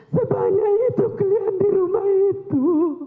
sebanyak itu kalian di rumah itu